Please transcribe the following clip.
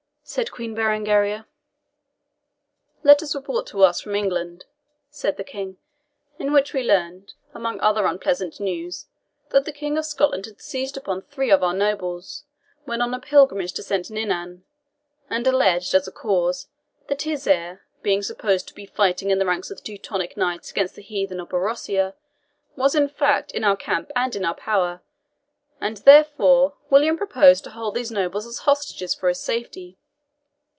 said the Queen Berengaria. "Letters were brought to us from England," said the King, "in which we learned, among other unpleasant news, that the King of Scotland had seized upon three of our nobles, when on a pilgrimage to Saint Ninian, and alleged, as a cause, that his heir, being supposed to be fighting in the ranks of the Teutonic Knights against the heathen of Borussia, was, in fact, in our camp, and in our power; and, therefore, William proposed to hold these nobles as hostages for his safety.